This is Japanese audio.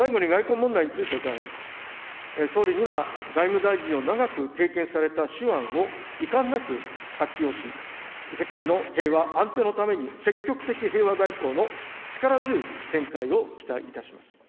総理には、外務大臣を長く経験された手腕を遺憾なく発揮をし、世界の平和安定のために、積極的平和外交の力強い展開を期待します。